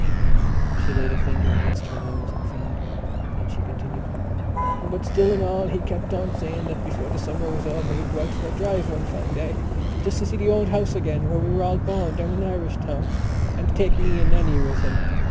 She laid a finger against her nose and frowned: then she continued: "But still and all he kept on saying that before the summer was over he'd go out for a drive one fine day just to see the old house again where we were all born down in Irishtown and take me and Nannie with him.